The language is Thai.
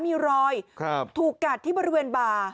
มีรอยถูกกัดที่บริเวณบ่า